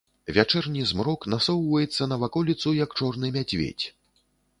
Вячэрні змрок насоўваецца на ваколіцу, як чорны мядзведзь.